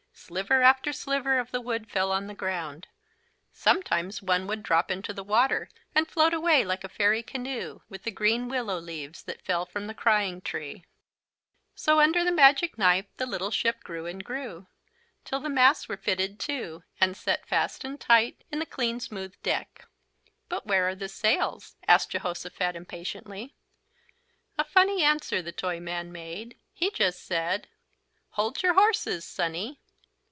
Sliver after sliver of the wood fell on the ground. Sometimes one would drop into the water and float away like a fairy canoe, with the green willow leaves that fell from the Crying Tree. So under the magic knife the little ship grew and grew, till the masts were fitted too, and set fast and tight in the clean smooth deck. "But where are the sails?" asked Jehosophat impatiently. A funny answer the Toyman made. He just said: "Hold your horses, Sonny."